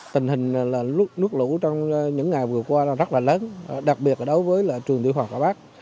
tình hình nước lũ trong những ngày vừa qua rất là lớn đặc biệt đối với trường tiểu học hòa bắc